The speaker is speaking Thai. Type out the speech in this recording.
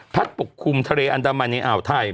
ปกคลุมทะเลอันดามันในอ่าวไทย